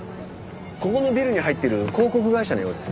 ここのビルに入ってる広告会社のようですね。